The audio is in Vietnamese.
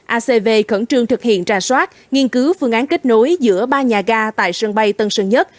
acv khẩn trương thực hiện trà soát nghiên cứu phương án kết nối giữa ba nhà ga tại sân bay tân sơn nhất